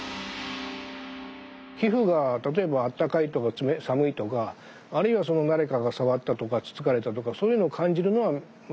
皮膚が例えばあったかいとか寒いとかあるいはその誰かが触ったとかつつかれたとかそういうのを感じるのはそれは皆さん